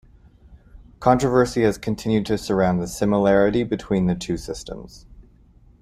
Controversy has continued to surround the similarity between the two systems.